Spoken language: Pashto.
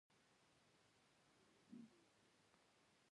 د کرنیزو محصولاتو مارکیټونه شته؟